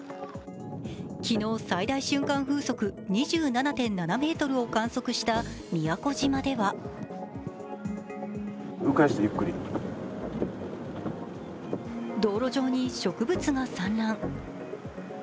昨日、最大瞬間風速２７．７メートルを観測した宮古島では道路上に植物が散乱。